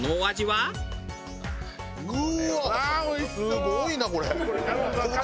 すごいなこれ！